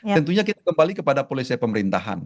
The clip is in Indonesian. tentunya kita kembali kepada polisi pemerintahan